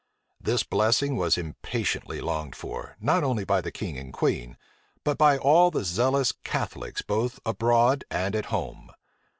This blessing was impatiently longed for, not only by the king and queen, but by all the zealous Catholics both abroad and at home.